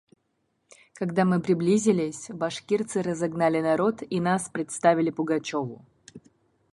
Когда мы приближились, башкирцы разогнали народ и нас представили Пугачеву.